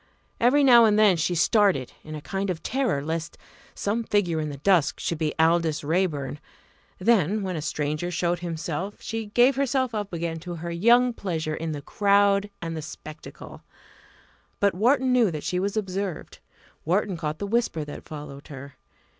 Every now and then she started in a kind of terror lest some figure in the dusk should be Aldous Raeburn; then when a stranger showed himself she gave herself up again to her young pleasure in the crowd and the spectacle. But Wharton knew that she was observed; Wharton caught the whisper that followed her.